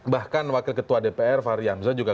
bahkan wakil ketua dpr varyamza juga